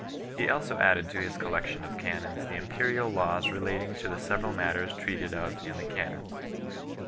He also added to his collection of canons the imperial laws relating to the several matters treated of in the canons.